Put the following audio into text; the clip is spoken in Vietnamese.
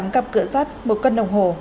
ba mươi tám cặp cửa sắt một cân đồng hồ